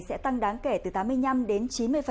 sẽ tăng đáng kể từ tám mươi năm đến chín mươi